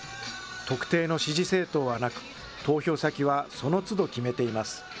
特定の支持政党はなく、投票先はそのつど決めています。